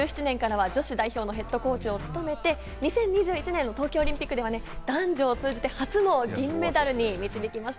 ２０１７年からは女子代表のＨＣを務めて２０２１年の東京オリンピックでは男女を通じて初の銀メダルに導きました。